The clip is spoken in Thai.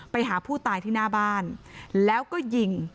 ไปหาผู้ตายที่หน้าบ้านแล้วก็ยิง